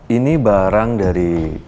ini barang dari